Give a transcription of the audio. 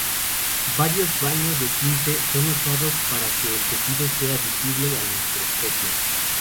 Varios baños de tinte son usados para que el tejido sea visible al microscopio.